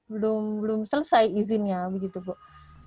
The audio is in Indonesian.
belum selesai izinnya begitu kok